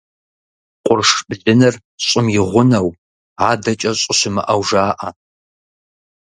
Къурш блыныр – щӀым и гъунэу, адэкӀэ щӀы щымыӀэу жаӀэ.